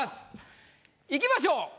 いきましょう。